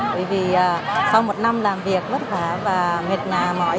bởi vì sau một năm làm việc vất vả và mệt nhà mỏi